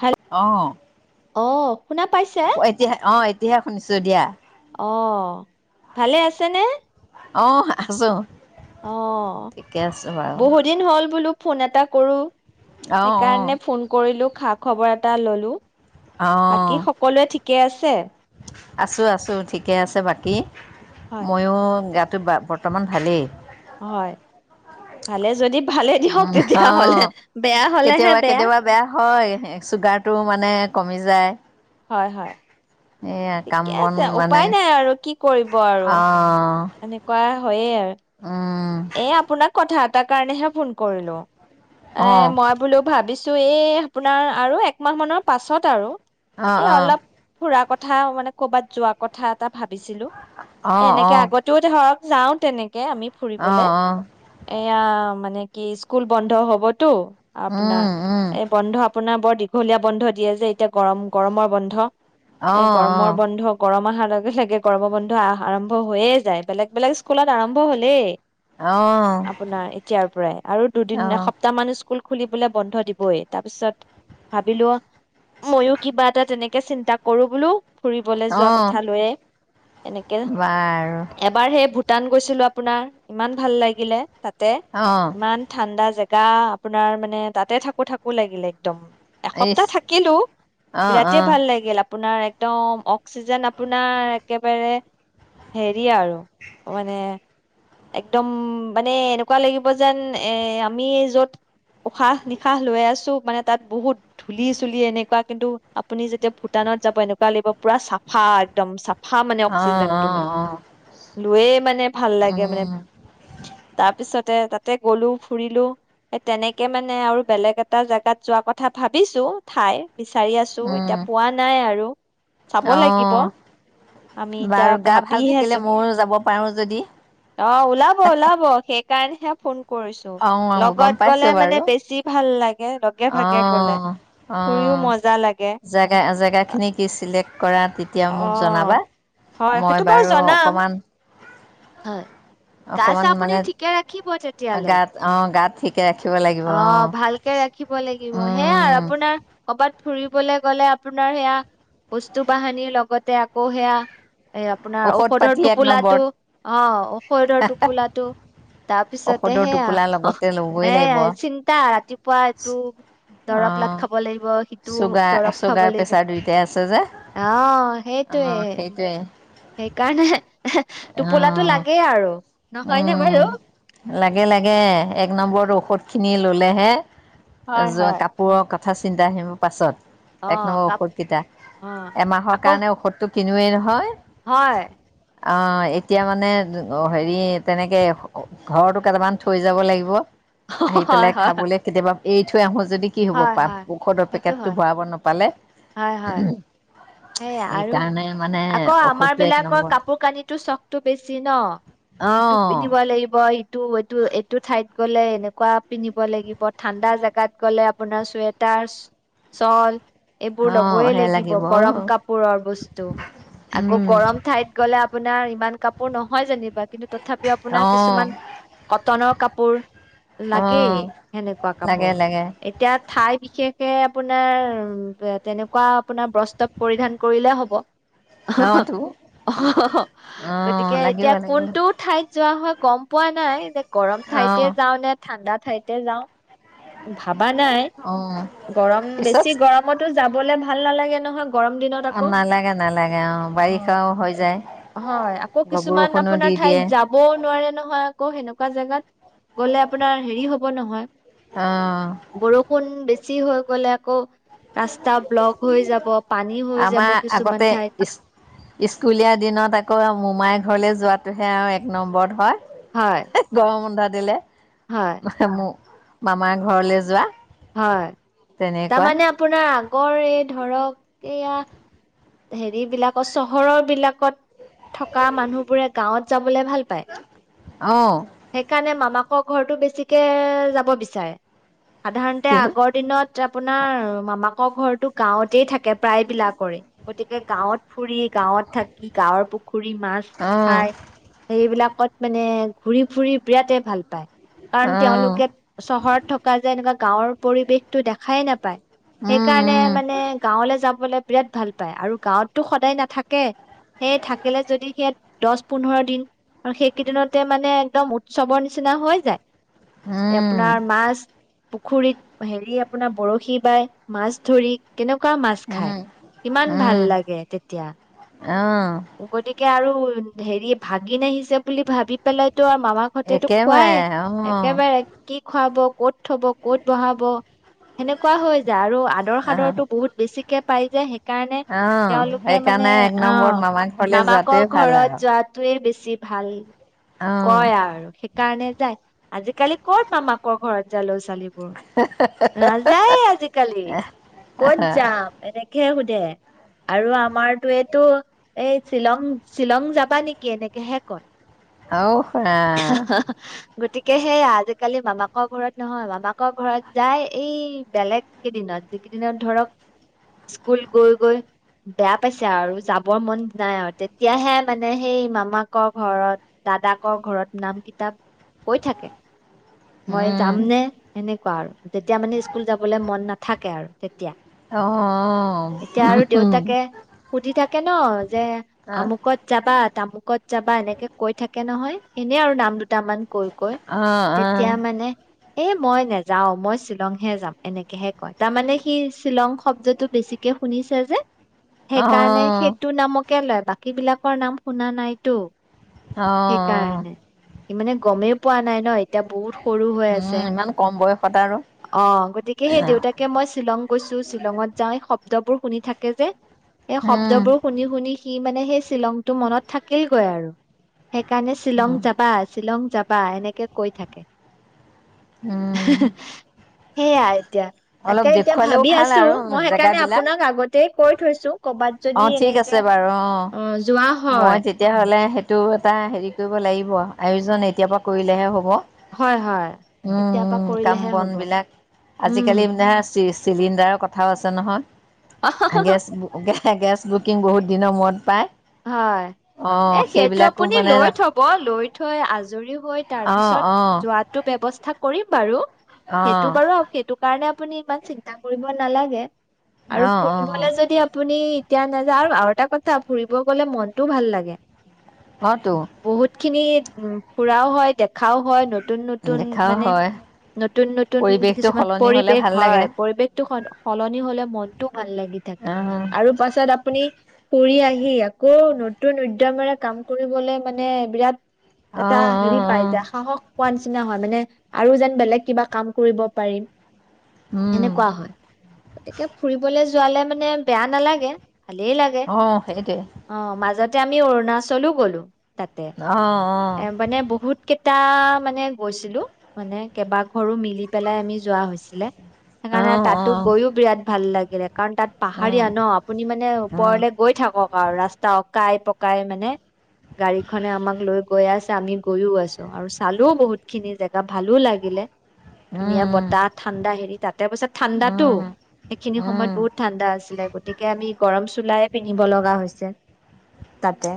হেল আহ অ' শুনা পাইছে? এতিয়া আহ এতিহে শুনিছো দিয়া অ' ভালে আছে নে আহ আছো অ বহু দিন হ'ল বোলো ফোন এটা কৰো অঁ অঁ সেইকাৰণে ফোন কৰিলো খা খবৰ এটা ললো অঁ বাকী সকলোৱে ঠিকে আছে আছোঁ আছোঁ ঠিকে আছে বাকী হয়, ময়ো তো বৰ্তমান ভালেই হয় ভালে যদি ভালে উ দিয়ক অ তেতিয়াহ'লে বেয়া হলেহে কেতিয়াবা কেতিয়াবা বেয়া হয় চুগাৰটো মানে কমি যায় [inaudible] হয় হয় এইয়া কাম ঠিকে বন আছে মানে উপায় নাই আৰু কি কৰিব আৰু এনেকুৱা হয়ে আৰু ঊ এ আপোনাক কথা এ তাৰ কাৰণেহে ফোন কৰিলো এ অঁ মই বোলেও ভাবিছো ত এই আপোনাৰ আৰু একমাহ মানৰ পাছত আৰু অঁ অঁ এ অলপ ফুৰা কথা কথা মানে কৰ'ৰবাত যোৱা কথা এ তটা ভাবিছিলো অঁ অঁ এ এনেকে অঁ আগতেও ধৰক যাওঁ তেনেকে আমি অঁ ফুৰিবলৈ অঁ এ এয়া মানে কি স্কুল বন্ধ হবতো আপোনাৰ উম উম এই বন্ধ আপোনাৰ বৰ দীঘলীয়া বন্ধ দিয়ে যে এতিয়া গৰম গৰমৰ বন্ধ এ অঁ অঁ গমৰ বন্ধ গৰম আহাৰ লগে লগে গৰম বন্ধু আহ আৰম্ভ হৈয়ে যায় বেলেগ বেলেগ স্কুলত আৰম্ভ হলেই আপোনাৰ এতিয়াৰ পৰাই আৰু দুদিন অঁ অঁ এসপ্তাহ মান স্কুল খুলিবলৈ বন্ধ দিবই তাৰ পিছত ভাবিলো মইো কিবা এটা তেনেকে চিন্তা কৰো বোলো ফুৰিবলৈ যোৱা অঁ কথা লৈয়ে এনেকে বাৰু এবাৰ সেই ভ টাৰ্ণ কৰিৈছিলো আপোনাৰ ইমান ভাল লাগিলে তাতে অ', ইমান ঠাণ্ডা জেগা গা আপোনাৰ মানে তাতে থাকো থাকো লাগিলে একদম ইচ এসপ্তাহ থাকিলো অ', বিৰাট অ', ভাল লাগিল আপোনাৰ একদম অক্সিজেন আপোনাৰ একেবাৰে হেৰি আৰু মানে একদম মানে এনেকুৱা লাগিব যেন এ আমি যত উশাহ নিশাহ লৈ আছো মানে তাত বহুত ধূলি চুলি এনেকুৱা কিন্তু আপুনি যেতিয়া ভূটানত যাব এনেকুৱা লাগিব পুৰা চাফা একদম চাফা ফা মানে অ', অক্সিজেন টো মানে অ', অ', লয়ে মানে ভাল লাগে উম, তাৰপিছতে তাতে গ'লো ফুৰিলো স তেনেকে মানে আৰু বেলেগ এটা জোগাত যোৱা কথা ভাবিছো ঠাই বিচাৰি আছো এতিয়া উম, পোৱা নাই আৰু চাব লাগিব অ', আমি এতিয়া বাৰু গা ভাল ভাবিহে থাকিলে আছো ময়ো যাব পাৰোঁ যদি অ ওলাব ওলাব শেষ কাৰ সে ফোন কৰিছো অ', গম লগত গলে পাইছোঁ মানে বাৰু বেছি ভাল লাগে লগে ভাগে গলে অ', ফুৰিও অ', মজা লাগে জেগা জেগাখিনি কি চিলেক্ট কৰা তেতিয়া মোক অ', জনাবা হয় মই সেইটো বাৰু জনাম। অকমান হয় গা চা অকমান আপুনি মানে ঠিকে ৰাখিব তেতিয়ালে। গাত অ গাত ঠিকে ৰাখিব লাগিব অ ভালকে ৰাখিব লাগিব সে আৰু উম, আপোনাৰ কৰ'বাত ফুৰিবলে গলে আপোনাৰ সেয়া বস্তু বাহানিৰ লগতে আকৌ সেয়া এই আপোনাৰ ঔষধ ঔষধৰ পাতি এক টোপোলাটো নম্বৰত অ ঔষধৰ টোপোলাটো তাৰপিছতে ঔষধৰ টোপোলা সেয়া লগতে ল'বই লাগিব সেয়াই তিটা ৰাতি পোৱাই এইটো দৰৱ লাগ অ', খাব লাগিব সিটো চুগাৰ দৰৱ খাব চুগাৰ লাগিব প্ৰেছাৰ দুইটাই আছে যে অহ অ সেইটোৱে সেইটোৱে সেইকাৰণে অ টোপোলাটো লাগেই আৰু নহয়নে বাৰু উম লাগে লাগে এক নম্বৰটো ঔষধখিনি ল'লেহে এ হয় যোৱা হয় কাপোৰৰ ক কথা চিন্তা আহিব পাছত অ এক নম্বৰ কাপ ঔষধ কেইটা অ এমাহৰ আকৌ কাৰণে ঔষধটো কিনোৱে নহয় হয় অ এতিয়া মানে অহ হেৰি তেনেকে ঘৰতো কেইটামান থৈ যাব লাগিব আহি হয় পেলাই হয় খাবলে কেতিয়াবা এৰি থৈ আহো যে যদি কি হ'ব হয়, হয়। পাত ঔষধৰ সেইটো পেকেটটো হয়। ভৰাব নাপালে হয়, হয়। সেয়া আৰু সেইকাৰণে মানে আকৌ আমাৰ ঔষধটো এক বিলাকৰ নম্বৰ কাপোৰ কানিতো চখটো বেছি ন ইটো পিন্ধিব অ লাগিব হয় টো এইটো এইটো ঠাইত গলে এনেকোৱা পিন্ধিব লাগিব ঠাণ্ডা জেগাত গ'লে আপোনাৰ চুৱেটাৰ চল এইবোৰ অ', লবই সেয়া লাগিব গৰম কাপোৰৰ বস্তু আকৌ উম, গৰম ঠাইত গলে আপোনাৰ ইমান কাপোৰ নহয় জানিব কিন্তু তথাপিও আপোনাৰ অ', কিছুমান কটনৰ কাপোৰ লাগেই অ', সেনেকোৱা লাগে কাপোৰ লাগে এতিয়া ঠাই বিশেষকে আপোনাৰ উ তেনেকুৱা আপোনাৰ বস্ত্ৰ পৰিধান কৰিলে হ'ব অহ অ অহ অ অ', গতিকে লাগিব এতিয়া লাগিব কোনটো ঠাইত যোৱা হয় গম পোৱা নাই গৰম ঠাইতে অ', যাওঁ নে ঠাণ্ডা ঠাইতে যাওঁ ভাবা নাই অ', গৰম পিছত বেছি গৰমতো যাবলে ভাল নালাগে নহয় গৰম দিনত অ আকৌ নালাগে নালাগে অ বাৰিষাও হৈ যায় হয় আকৌ কিছুমান বৰষুণো দি আপোনাৰ দিয়ে ঠাইত যাব নোৱাৰে নহয় আকৌ সেনেকুৱা জেগাত গ'লে আপোনাৰ হেৰি হ'ব নহয় অ', বৰষুণ বেছি বেছি হৈ গ'লে আকৌ ৰাস্ত া ব্লক হৈ যাব পানী হৈ যাব আমাৰ কিছুমান আগতে ঠাইত ইচ স্কুলীয়া দিনত আকৌ মোমাই ঘৰলৈ যোৱাটোহে আৰু এক নম্বৰত হয় গৰম হন্ধ দিলে হয়, মম মামাৰ ঘৰলে যোৱা হয় তেনেকুৱা তাৰমানে আপোনাৰ কৰে ধৰক এয়া হেৰি বিলাকত চহৰৰ বিলাকত থকা মানুহবোৰে গাঁৱত যাব ভাল পায় অ', সেইকাৰণে মামা আৰ ঘৰতটো বেছিকে যাব বিচাৰে সাধাৰণতে কি হ'ল আগৰ দিনত আপোনাৰ মামাক আ ঘৰৰতো গাঁৱতেই থাকে প্ৰায়বলাক কৰে গতিকে গাঁৱত ফুৰি গাঁৱত থাকি গাঁৱৰ পু পুখুৰী মাছ অ', খাই এইবিলাক ত মানে ঘ ফুৰি বিৰাটেই ভাল পায় কাৰণ অ', তেওঁলোকে চহৰত থকা যে এনেকুৱা গাঁৱৰ পৰিৱেশতটো দেখাই নাপায় উম সেইকাৰণে মানে গাঁৱলে যাব বিৰাট ভাল পায় আৰু গাঁৱতটো সদায় নাথাকে সেই থাকিলে যদি সেই দহ পোন্ধৰ দিন আৰু সেইকেইদিনতে মানে একদম উৎসৱৰ নিচিনা হৈ যায় আপোনাৰ উম, মাছ পুখুৰীত হেৰি আপোনাৰ বৰশী বাই মাছ ধৰি। কেনেকুৱা মাছ খায়, উম, কিমান ভাল উম, লাগে তেতিয়া। অ'। কে আৰু হেৰি ভাগিন আহিছে বুলি ভাবি পেলাই ত মামাকহঁতেতো একেবাৰে খোৱাই অ' একেবাৰে কি খুৱাব ক'ত? ক'ত থব ক'ত বহাব। সেনেকুৱা হৈ যায় আৰু আদৰ অ' সাদৰটো বহুত বেছিকে পাইজে হে অ', সেইকাৰণে এক আহ নম্বৰত মামাক মামাকৰ ঘৰত যোৱাাতে বেছি ভাল। অ' কয় আৰু সেইকাৰণে যাই, আজিকালি ক'ত মামাকৰ ঘৰত যালো [unintelligible] নাযায় আজিকালি ক'ত যাম এনেকে দে আৰু আমাৰটোৱেটো এই শ্বিলং-শ্বিলং যাবা নেকি এনেকেহে কয়। অঔহা। গতিকে সেই আজিকালি মামাকৰ ঘৰত নহয়, মামাক ঘৰত যাই এই বেলেগ কেইদিনত যি কেইদিনত ধৰক স্কুল গৈ-গৈ বেয়া পাইছে আৰু যাবৰ মন নাই আৰু তেতিয়াহে মানে, সেই মামাকৰ ঘৰত, দাদাকৰ ঘৰত নাম কিতাপ কৈ থাকে। মই যাম উম নে এনে কা আৰু যেতিয়া মানে স্কুল যাবলৈ মন নাথাকে আৰু তেতিয়া। অ' এতিয়া আৰু দেউতাকে সুধি থাকে ন? যে আমুকত যাবা? তামুকত যাবা? এনেকে কৈ থাকে। তাকে নহয় এনেই আৰু নাম দুটামান কৈ-কৈ অ' অ' তেতিয়া মানে এ মই নেযাও, মই শ্বিলংহে যাম, এনেকেহে কয়। তাৰমানে সি শ্বিলং শব্দটো বেছিকে শুনিছে যে। সেই অ' কাৰণে অ' সেইটো নামক কেলেই বাকী বিলাকৰ নাম শুনা নাইতো। অ', সেইকাৰণে অ'। মানে গমেই পোৱা নাই ন এতিয়া বহুত সৰু হৈ আছে, উম ইমান কম বয়সত আৰু অঁ গতিকে সেই দেউতাকে মই শ্বিলং গৈছো শ্বিলঙত যাও, এই শব্দবোৰ শুনি থাকে যে। এই উম শব্দবোৰ শুনি শুনি সি মানে সেই শ্বিলংটো মনত থাকিলগৈ আৰু। সেইকাৰণে শ্বিলং যাবা শ্বিলং যাবা এনেকে কৈ থাকে। উম। সেইয়াই। এয়া তাকে অলপ এতিয়া দেখুৱালেও ভাবি ভাল আছো আৰু মই সেইকাৰণে জেগাবিলাক আপোনাক আগতে কৈ থৈছো, ক'ৰবাত যদি এনেকে অঁ, অ যোৱা হয় মই তেতিয়া হ'লে সেইটো এটা হেৰি কৰিব লাগিব, আয়োজন এতিয়াৰ পৰা কৰিলেহে হ'ব। হয় হয় উম, এতিয়াৰ পৰা উম, কৰিলেহে হ'ব, উম। চি চিলিণ্ডাৰৰ কথাও আছে নহয়। [unintelligible] কুকিং বহুত দিনৰ মূৰত পায়। হয় এ অঁ সেইটো সেইবিলাকো আপুনি মানে লৈ থ'ব, লৈ থৈ আজৰি হৈ অঁ তাৰপিছত অঁ যোৱাটো ব্যৱস্থা কৰিম বাৰু। সেইটো অঁ বাৰু [unintelligible] সেইটো কা কাৰণে আপুনি ইমান চিন্তা কৰিব নালাগে। আৰু অঁ অঁ ফুৰিবলে যদি আপুনি এতিয়া নাযাওঁ আৰু এটা কথা ফুৰি ব গ'লে মনটোও ভাল লাগে। হয়তো বহুত খিনি উম ফুৰাও হয় দেখাও হয় নতুন নতুন দেখাও মানে হয় নতুন-নতুন পৰিৱেশটো কিছুমান সলনি হ'লে পৰিৱেশ ভাল হয়, লাগে পৰিৱেশটো সলনি হ'লে মনটোও ভাল লাগি থাকে অঁ আৰু পাছত আপুনি ফুৰি আহি সি আকৌ নতুন উদ্যমেৰে কাম কৰিবলে মানে বিৰাত এটা অঁ হেৰি অঁ পায় যায়, সাহস পোৱা নিচিনা হয় মানে আৰু যেন বেলেগ কিবা কাম কৰিব পাৰিম। অঁ সেনেকুৱা হয়, গতিকে ফুৰিবলে যোৱালে মানে বেয়া নালাগে। ভালেই লাগে। অঁ সেইটোৱে অঁ মাজত তে আমি অৰুণাচলো গ'লো। তাতে অঁ এ মানে বহুত কেইটা মানে গৈছিলো মানে কেইবা ঘৰো মিলি পেলাই আমি যোৱা হৈছিলে সেইকাৰণে অঁ তাতো গৈয়ও বিৰাট ভাল লাগিলে কাৰণ তাত অঁ পাহাৰীয়া ন আপুনি মানে অঁ ওপৰলে গৈ থাকক আৰু ৰাস্তা অকাই পকাই মানে গাড়ীখনে আমাক লৈ গৈ আছে আমি গৈয়ও আছো আৰু চালোও বহুত খিনি জেগা ভালো লাগিলে ধুনীয়া বতাহ অঁ ঠাণ্ডা হেৰি তাতে পিছত ঠাণ্ডাতো অঁ সেইখিনি সময়ত বহুত নিজে ঠাণ্ডা আছিলে গতিকে আমি গৰম চোুলাইে পিন্ধিব লগা হৈছে তাতে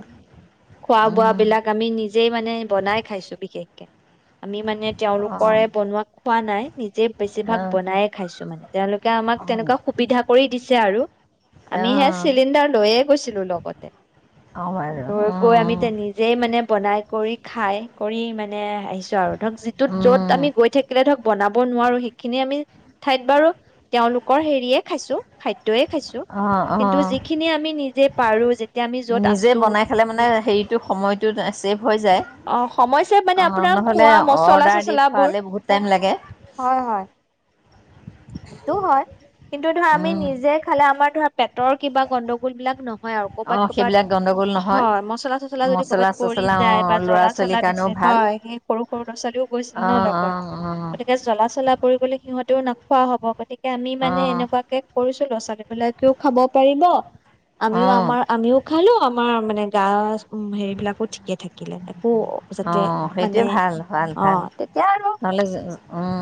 খোৱা বোৱা বিলাক আমি নিজে মানে বনাই খাইছো বিশেষ কে আমি মানে তেওঁওলোকৰে বনোৱা পোৱা নাই নিজে বেছিভাগ বনায়ে খাইছো মানে তেওঁলোকে আমাক তেনেকুৱা সুবিধা কৰি দিছে আৰু আমি হে চিলিণ্ডাৰ লৈ এক ো লগতে গৈ গৈ আমি নিজে মানে বনাই কৰি খাই কৰি মানে আহিছো আৰু ধৰক যিটোত য'ত আমি গৈ থাকিলে ধৰক বনাব নোৱাৰো সেইখিনি আমি ঠাইত বাৰু তেওঁলোকৰ হেৰিয়ে খাইছো খাদ্য য় খাইছো কিন্তু যিখিনি আমি নি নিজে বনাই খালে মানে হেৰিটো সময়টো ছেভ হৈ যায় অ সময় ছেভ মানে আপোনাৰ নহ'লে খোৱা মচলা অৰ্ডাৰ দি চচলাবোৰ খোৱালে বহুত টাইম লাগে হয় হয় সেইটো হয় কিন্তু ধৰা আমি নিজে খালে আমাৰ ধৰা পেটৰ কিবা গণ্ডগোল বিলাক ন হয় আৰু কৰ'বাত অঁ ক'বাত সেইবিলাক গণ্ডগোল নহয় হয় মছলা চচলা যদি মচলা ক'ৰবাত পৰি চচলা যায় অঁ বা ল'ৰা জ্বলা চলা ছোৱালীৰ কাৰণেও বেছি ভাল হয় সেই সৰু সৰু ল'ৰা ছোৱালীও গৈছিল ন অঁ লগত অঁ অঁ গতিকে জ্বলা চলা পৰিবলে সিহত ত ন খোৱা হ'ব গতিকে আমি মানে অঁ এনেুৱাকে কৰিছো ল ছোৱালী বিলাকেও খাব পাৰিব আমিও অঁ আমাৰ আমিও খালো আমাৰ মানে গাছ উ হেৰিবিলাকো ঠিকে থাকিলে একো যাতে অঁ সেইটোৱে মানে ভাল ভাল অঁ ভাল তেতিয়া আৰু নহ'লে অঁ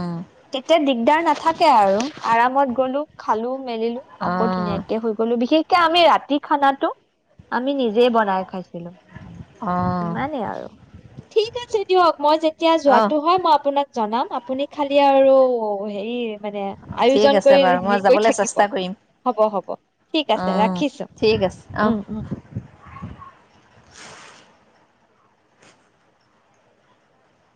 তেতিয়া দিগদাৰ নাথাকে আৰু আৰামত গলো খালো মেলিলো আকৌ অঁ ধুনীয়াকে শুই গ'লো বিশেষ এয়া আমি ৰাতি খানাতো আমি নিজেই বনাই খাইছিলো অ', মানে আৰু ঠিক আছে দিয়ক মই যে এতিয়া অ', যোৱাতো হয় মই আপোনাক জনাম আপুনি খালি এতিয়া আৰু হেৰি মানে ঠিক আয়োজন আছে কৰি বাৰু মই হেৰি কৰি যাবলৈ থাকিব চেষ্টা কৰিম হ'ব হ'ব ঠিক আছে অ', ৰাখিছো ঠিক আছে অ'। উম উম